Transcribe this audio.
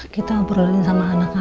kita ngobrolin sama anak anak aja deh